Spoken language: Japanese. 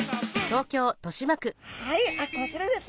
はいあっこちらですね。